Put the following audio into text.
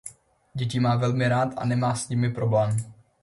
Děti má velmi rád a nemá s nimi problém.